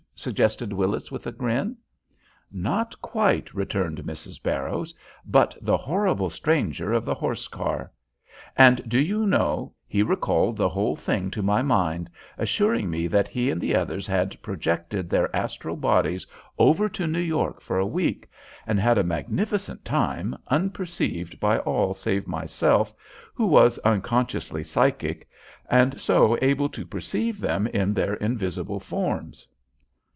suggested Willis, with a grin. "Not quite," returned Mrs. Barrows. "But the horrible stranger of the horse car; and, do you know, he recalled the whole thing to my mind, assuring me that he and the others had projected their astral bodies over to New York for a week, and had a magnificent time unperceived by all save myself, who was unconsciously psychic, and so able to perceive them in their invisible forms."